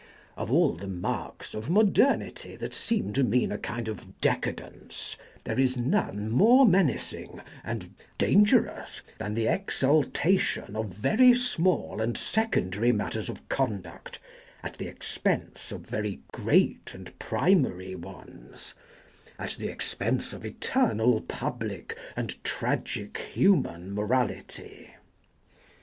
Of all the marks of mod ernity that seem to mean a kind of deca dence, there is none more menacing and dangerous than the exultation of very small and secondary matters of conduct at the expense of very great and primary ones, at the expense of eternal public and tragic human morality.